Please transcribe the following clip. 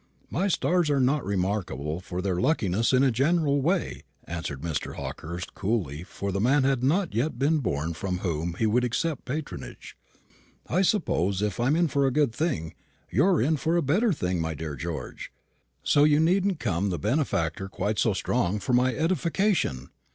"My stars are not remarkable for their luckiness in a general way," answered Mr. Hawkehurst, coolly, for the man had not yet been born from whom he would accept patronage. "I suppose if I'm in for a good thing, you're in for a better thing, my dear George; so you needn't come the benefactor quite so strong for my edification.